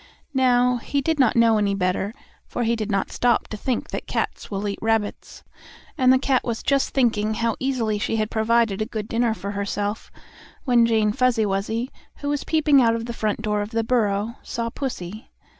Now, he did not know any better, for he did not stop to think that cats will eat rabbits. And the cat was just thinking how easily she had provided a good dinner for herself, when Jane Fuzzy Wuzzy, who was peeping out of the front door of the burrow, saw pussy.